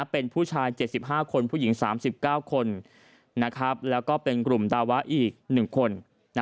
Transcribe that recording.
เป็นผู้ชาย๗๕คนผู้หญิง๓๙คนแล้วก็เป็นกลุ่มดาวะอีก๑คน